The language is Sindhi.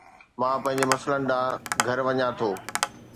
مان پنهنجي مسئلن ڏانهن گهر وڃان ٿو